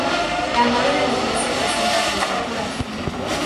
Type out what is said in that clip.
La nave de la iglesia presenta tres alturas.